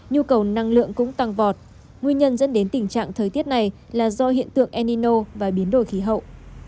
nhu cầu năng lượng cũng tăng vọt nguyên nhân dẫn đến tình trạng thời tiết này là do hiện tượng enino và biến đổi khí hậu